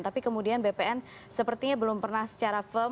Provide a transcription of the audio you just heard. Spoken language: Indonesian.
tapi kemudian bpn sepertinya belum pernah secara firm